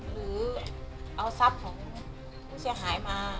หรือเอาทรัพย์ของผู้เสียหายมา